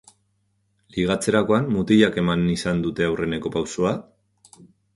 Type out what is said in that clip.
Ligatzerakoan, mutilak eman izan dute aurreneko pausua?